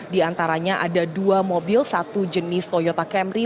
di antaranya ada dua mobil satu jenis toyota camry